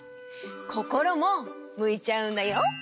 こころもむいちゃうんだよ。